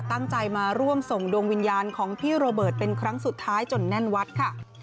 ตั้งใจมาร่วมส่งดวงวิญญาณของพี่โรเบิร์ตเป็นครั้งสุดท้ายจนแน่นวัดค่ะ